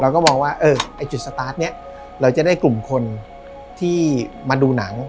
เราก็มองว่าไอ้จุดสตาร์ทนี้เราจะได้กลุ่มคนที่มาดูหนัง